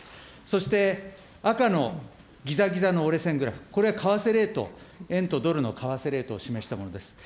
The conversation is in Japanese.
そして、赤のぎざぎざの折れ線グラフ、これは為替レート、円とドルの為替レートを示したものです。